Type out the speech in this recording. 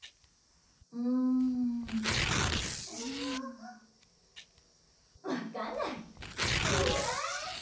うん分かんないえぇ！